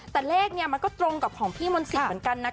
แต่เลขเนี่ยมันก็ตรงกับของพี่มนต์สิทธิ์เหมือนกันนะ